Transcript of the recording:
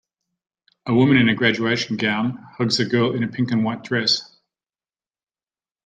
A woman in a graduation gown hugs a girl in a pink and white dress.